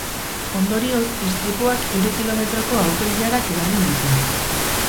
Ondorioz, istripuak hiru kilometroko auto-ilarak eragin ditu.